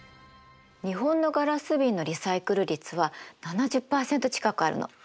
日本のガラス瓶のリサイクル率は７０％近くあるの。